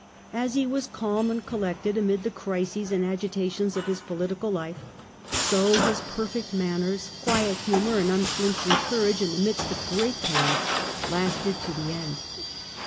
As he was calm and collected amid the crises and agitations of his political life, so his perfect manners, quiet humour, and unflinching courage in the midst of great pain, lasted to the end.